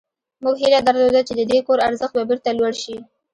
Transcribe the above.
موږ هیله درلوده چې د دې کور ارزښت به بیرته لوړ شي